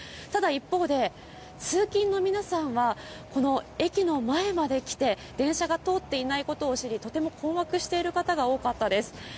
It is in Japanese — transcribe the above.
ただ一方で、通勤の皆さんはこの駅の前まできて、電車が通っていないことを知り、とても困惑してる方が多かったです。